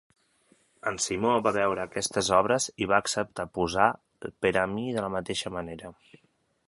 En Simó va veure aquestes obres i va acceptar posar per a mi de la mateixa manera.